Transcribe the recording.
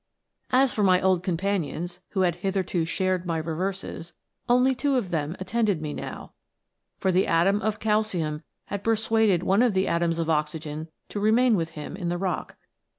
" As for my old companions who had hitherto shared my reverses, only two of them attended me now, for the atom of calcium had persuaded one of the atoms of oxygen to remain with him in the rock.